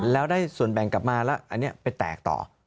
แล้วได้ส่วนแบ่งกลับมาแล้วอันนี้ไปแตกต่อ